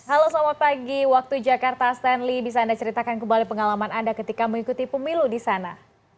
halo selamat pagi waktu jakarta stanley bisa anda ceritakan kembali pengalaman anda ketika mengikuti pemilu di sana